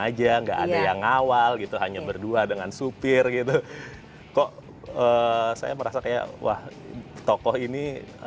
aja nggak ada yang ngawal gitu hanya berdua dengan supir gitu kok saya merasa kayak wah tokoh ini